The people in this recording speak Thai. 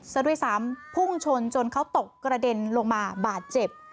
ซะด้วยซ้ำพุ่งชนจนเขาตกกระเด็นลงมาบาดเจ็บ